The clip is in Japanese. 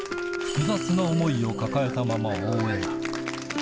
複雑な思いを抱えたまま応援。